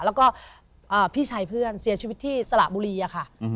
แล้วก็พี่ชายเพื่อนเสียชีวิตที่สระบุรีอะค่ะ